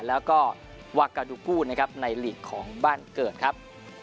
แล้วก็วากาดูกู้นะครับในหลีกของบ้านเกิดครับ